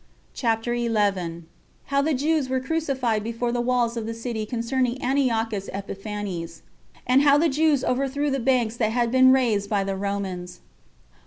CHAPTER 11. How The Jews Were Crucified Before The Walls Of The City Concerning Antiochus Epiphanes; And How The Jews Overthrew The Banks That Had Been Raised By The Romans.